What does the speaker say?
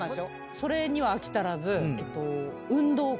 それには飽き足らず。